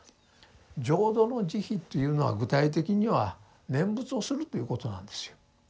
浄土の慈悲というのは具体的には念仏をするということなんですよ。